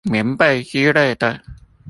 棉被之類的